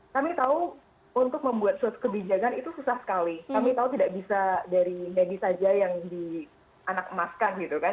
kami tahu untuk membuat suatu kebijakan itu susah sekali kami tahu tidak bisa dari medis saja yang dianak emaskan gitu kan